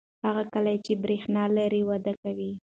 هغه کلی چې برېښنا لري وده کوي.